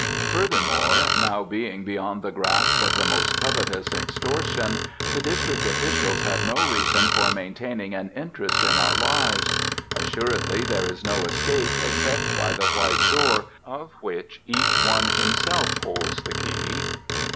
Furthermore, now being beyond the grasp of the most covetous extortion, the district officials have no reason for maintaining an interest in our lives. Assuredly there is no escape except by the White Door of which each one himself holds the key."